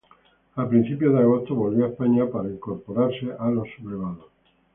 A principios de agosto volvió a España para incorporarse a los sublevados.